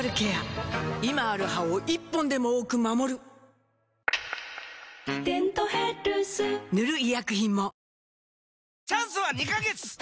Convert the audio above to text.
今ある歯を１本でも多く守る「デントヘルス」塗る医薬品も